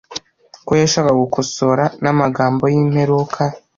ko yashakaga gukosora n'amagambo y'imperuka